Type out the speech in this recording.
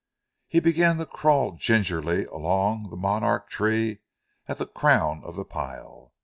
He began to crawl gingerly along the monarch tree at the crown of the pile.